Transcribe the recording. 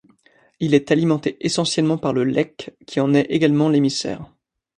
Il est alimenté essentiellement par le Lech qui en est également l'émissaire.